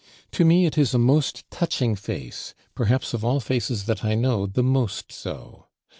To me it is a most touching face; perhaps of all faces that I know, the most so.